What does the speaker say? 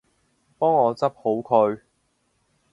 幫我執好佢